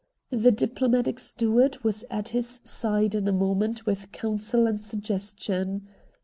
The diplo matic steward was at his side in a moment with counsel and suggestion.